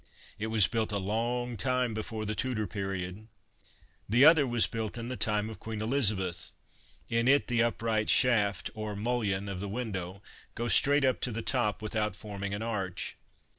It was built a long time before the Tudor period. The other was built in the time of Queen Elizabeth. In it the upright shaft, or mullion, of the window goes straight up to the top without forming an arch.